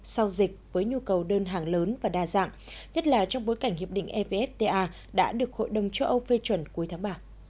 sau dịch với nhu cầu đơn hàng lớn và đa dạng nhất là trong bối cảnh hiệp định evfta đã được hội đồng châu âu phê chuẩn cuối tháng ba